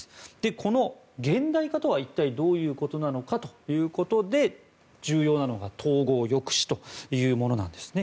この現代化とは、一体どういうことなのかということで重要なのが統合抑止というものなんですね。